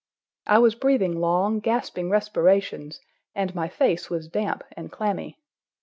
I was breathing long, gasping respirations, and my face was damp and clammy.